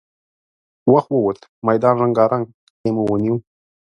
وخت ووت، ميدان رنګارنګ خيمو ونيو.